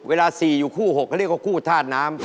เวลา๔อยู่คู่๖เขาเรียกว่าคู่ธาตุน้ำ